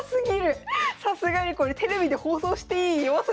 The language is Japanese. さすがにこれテレビで放送していい弱さじゃない。